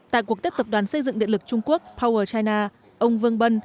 tại cuộc tiết tập đoàn xây dựng điện lực trung quốc power china ông vương bân